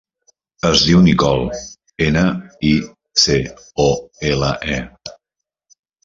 Es diu Nicole: ena, i, ce, o, ela, e.